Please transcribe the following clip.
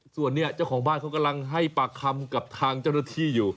ส่วนนี้เจ้าของบ้านเขากำลังให้ปากคำกับทางเจ้าหน้าที่อยู่